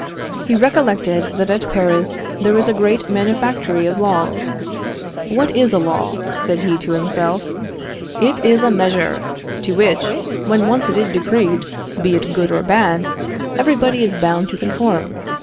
He recollected that at Paris there is a great manufactory of laws. "What is a law?" said he to himself. "It is a measure to which, when once it is decreed, be it good or bad, everybody is bound to conform.